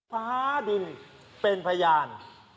ฟ้าดินเป็นพยาน